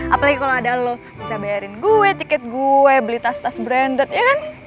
apalagi kalau ada lo bisa bayarin gue tiket gue beli tas tas branded ya kan